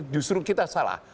justru kita salah